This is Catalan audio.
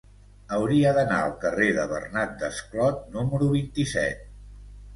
Hauria d'anar al carrer de Bernat Desclot número vint-i-set.